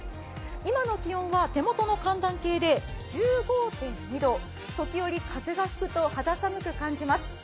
今の気温は手元の寒暖計で１５．２度時折、風が吹くと肌寒く感じます。